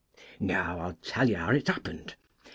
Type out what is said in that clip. Now I'll tell you how it happened.